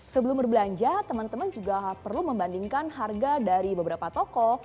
sebelum berbelanja teman teman juga perlu membandingkan harga dari beberapa toko